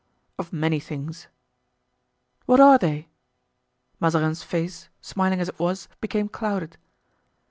"Of many things." "What are they?" Mazarin's face, smiling as it was, became clouded.